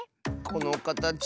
このかたち